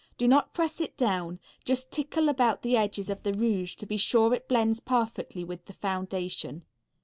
Do not press it down, just tickle about the edges of the rouge to be sure it blends perfectly with the foundation.